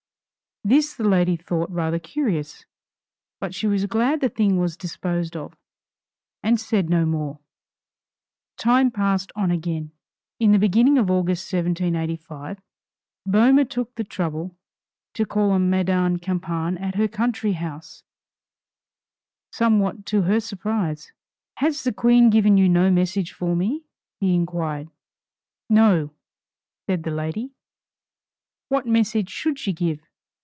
This the lady thought rather curious, but she was glad the thing was disposed of, and said no more. Time passed on again. In the beginning of August 1785, Boehmer took the trouble to call on Madame Campan at her country house, somewhat to her surprise. "Has the Queen given you no message for me?" he inquired. "No!" said the lady; "What message should she give?"